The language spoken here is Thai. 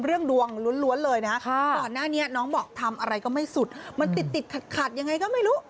ดวงล้วนเลยนะก่อนหน้านี้น้องบอกทำอะไรก็ไม่สุดมันติดติดขัดขัดยังไงก็ไม่รู้